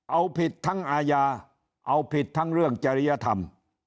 เอาผิดทั้งอาญาเอาผิดทั้งเรื่องจริยธรรม